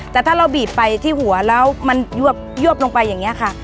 แต่ถ้าเราบีบไปที่หัวแล้วมันยวบลงไปอย่างนี้ค่ะ